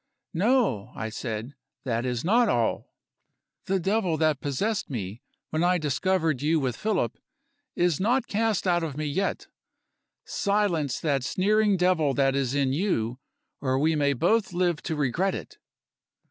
"No," I said; "that is not all. The devil that possessed me, when I discovered you with Philip, is not cast out of me yet. Silence the sneering devil that is in You, or we may both live to regret it."